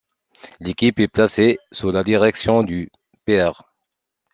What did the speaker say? L'équipe est placée sous la direction du Pr.